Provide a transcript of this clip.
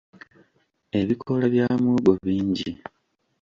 Ebikoola bya muwogo bingi.